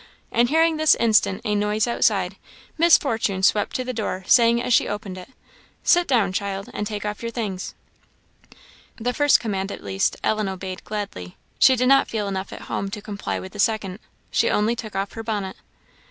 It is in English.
And hearing this instant a noise outside, Miss Fortune swept to the door, saying, as she opened it, "Sit down, child, and take off your things." The first command, at least, Ellen obeyed gladly; she did not feel enough at home to comply with the second. She only took off her bonnet.